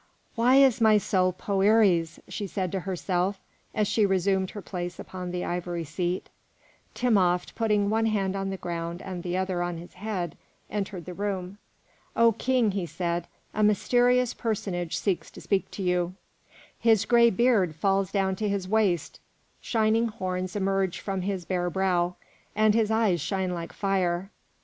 "Why is my soul Poëri's?" she said to herself as she resumed her place upon the ivory seat. Timopht, putting one hand on the ground and the other on his head, entered the room. "O King," he said, "a mysterious personage seeks to speak to you. His gray beard falls down to his waist, shining horns emerge from his bare brow, and his eyes shine like fire.